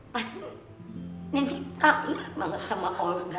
pasti nenek angin banget sama olga